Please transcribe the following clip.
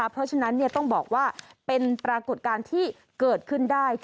เพราะฉะนั้นต้องบอกว่าเป็นปรากฏการณ์ที่เกิดขึ้นได้